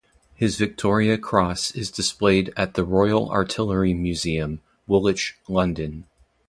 His Victoria Cross is displayed at the Royal Artillery Museum, Woolwich, London.